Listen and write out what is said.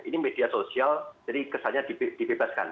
ini media sosial jadi kesannya dibebaskan